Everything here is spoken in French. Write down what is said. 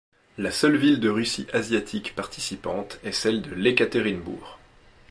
La seule ville de Russie asiatique participante est celle de Iekaterinbourg.